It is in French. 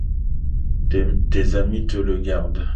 Tes amis te le gardent.